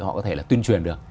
họ có thể là tuyên truyền được